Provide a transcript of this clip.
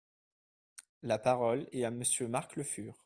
La parole est à Monsieur Marc Le Fur.